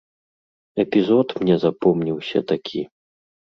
Эпізод мне запомніўся такі.